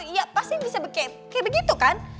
iya pasti bisa kayak begitu kan